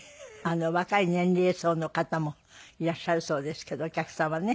若い年齢層の方もいらっしゃるそうですけどお客様ね。